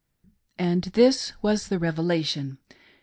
And this 'was the " revelation